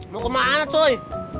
mau kemana cuy